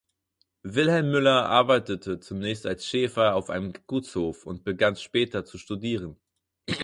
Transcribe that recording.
Wilhelm Müller arbeitete zunächst als Schäfer auf einem Gutshof und begann später zu studieren.